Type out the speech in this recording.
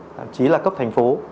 thậm chí là cấp thành phố